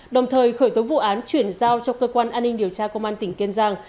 đồng thời khởi tố vụ án chuyển giao cho cơ quan an ninh điều tra công an tỉnh kiên giang